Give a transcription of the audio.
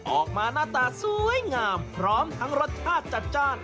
ออกมาหน้าตาสวยงามพร้อมทั้งรสชาติจัดจ้าน